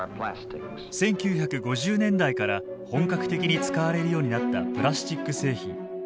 １９５０年代から本格的に使われるようになったプラスチック製品。